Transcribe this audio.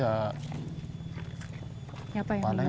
yang apa yang lebih